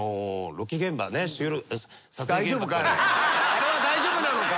あれは大丈夫なのか？